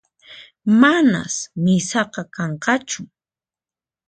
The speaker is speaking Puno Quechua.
Manas misaqa kanqachu